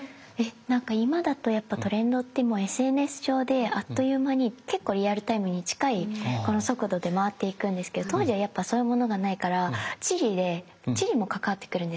なんか今だとやっぱトレンドってＳＮＳ上であっという間に結構リアルタイムに近い速度で回っていくんですけど当時はやっぱそういうものがないから地理も関わってくるんですね。